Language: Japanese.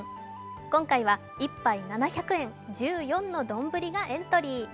今回は１杯７００円１４のどんぶりがエントリー。